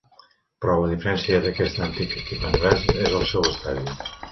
Però la diferència d'aquest antic equip anglès és el seu estadi.